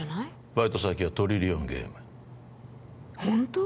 バイト先はトリリオンゲームホント？